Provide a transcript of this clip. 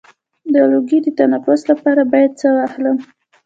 د لوګي د تنفس لپاره باید څه واخلم؟